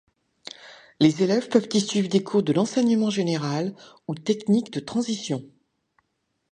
Les élèves peuvent y suivre des cours de l’enseignement général ou technique de transition.